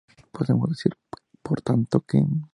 Podemos decir por tanto que